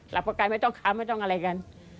ประกันไม่ต้องค้าไม่ต้องอะไรกัน